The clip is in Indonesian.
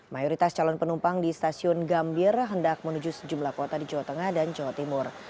mayoritas calon penumpang di stasiun gambir hendak menuju sejumlah kota di jawa tengah dan jawa timur